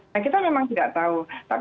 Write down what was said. nah kita memang tidak tahu